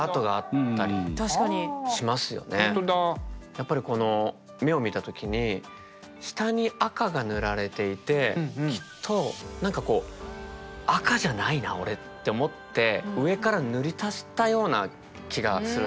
やっぱりこの目を見た時に下に赤が塗られていてきっと何かこう赤じゃないな俺って思って上から塗り足したような気がするんですね。